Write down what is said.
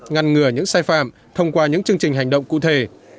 ngăn ngừa những sai phạm thông qua những chương trình hành động cụ thể